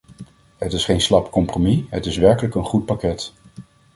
Het is geen slap compromis, het is werkelijk een goed pakket!